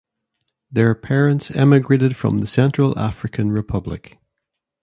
Their parents emigrated from the Central African Republic.